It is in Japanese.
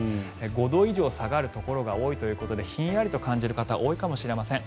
５度以上下がるところが多いということでひんやりと感じる方多いかもしれません。